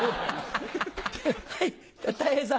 はいたい平さん。